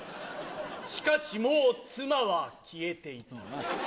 しかし、もう妻は消えていた。